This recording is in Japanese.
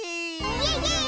イエイイエーイ！